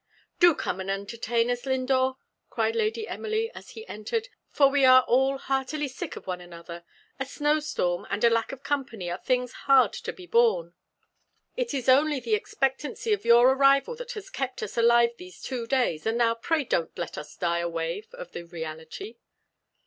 "Do come and entertain us, Lindore," cried Lady Emily, as he entered, "for we are all heartily sick of one another. A snow storm and a lack of company are things hard to be borne; it is only the expectancy of your arrival that has kept us alive these two days, and now pray don't let us die away of the reality."